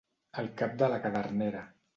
El cap de la cadernera.